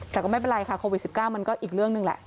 แต่ก็ไม่เป็นไรค่ะโควิด๑๙มันก็อีกเรื่องหนึ่งแหละ